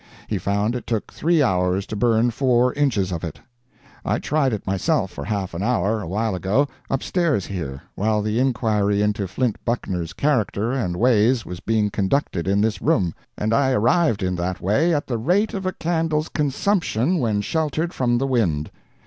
He found it took three hours to burn four inches of it. I tried it myself for half an hour, awhile ago, up stairs here, while the inquiry into Flint Buckner's character and ways was being conducted in this room, and I arrived in that way at the rate of a candle's consumption when sheltered from the wind.